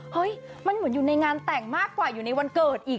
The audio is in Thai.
เฮ้ยมันเหมือนอยู่ในงานแต่งมากกว่าอยู่ในวันเกิดอีก